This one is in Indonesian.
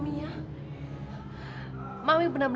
mami benar benar tidak bisa menjaga pandangan mata saya